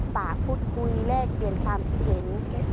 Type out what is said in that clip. ปากพูดคุยแลกเปลี่ยนความคิดเห็น